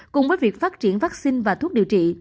cùng với việc phát triển vaccine và thuốc điều trị